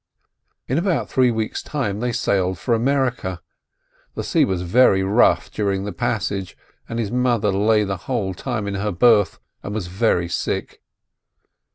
In about three weeks' time they sailed for America. The sea was very rough during the passage, and his mother lay the whole time in her berth, and was very sick.